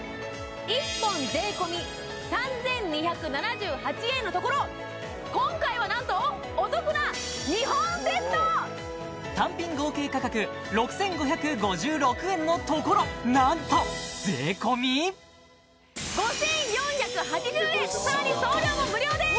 １本税込３２７８円のところ今回はなんと単品合計価格６５５６円のところなんと税込５４８０円さらに送料も無料です！